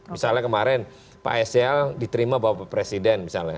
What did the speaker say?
misalnya kemarin pak sl diterima bapak presiden